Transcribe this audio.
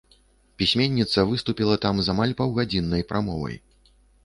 Пісьменніца выступіла там з амаль паўгадзіннай прамовай.